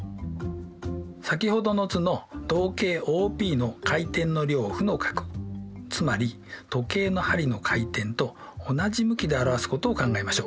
先ほどの図の動径ＯＰの回転の量を負の角つまり時計の針の回転と同じ向きで表すことを考えましょう。